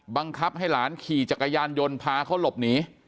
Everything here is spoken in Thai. บังคับให้หลานขี่จักรยานยนต์พาเขาหลบหนี